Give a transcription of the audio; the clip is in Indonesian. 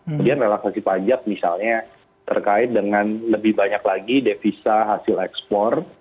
kemudian relaksasi pajak misalnya terkait dengan lebih banyak lagi devisa hasil ekspor